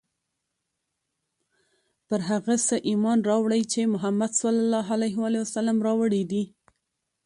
پر هغه څه ایمان راوړی چې محمد ص راوړي دي.